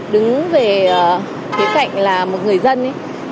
đứng về phía cạnh là một người dân ấy